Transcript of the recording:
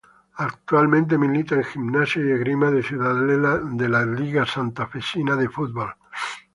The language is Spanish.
Actualmente milita en Gimnasia y Esgrima de Ciudadela de la Liga Santafesina de Fútbol.